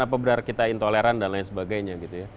apa benar kita intoleran dan lain sebagainya